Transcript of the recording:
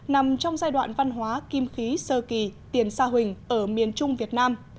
nằm trong giai đoạn văn hóa kim khí sơ kỳ tiền sa huỳnh ở miền trung việt nam